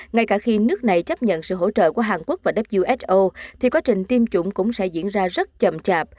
ngay cả khi nước này chấp nhận sự hỗ trợ của hàn quốc và who thì quá trình tiêm chủng cũng sẽ diễn ra rất chậm chạp